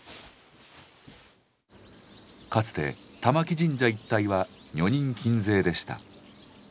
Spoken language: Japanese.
かつて玉置神社一帯は女人禁制でした。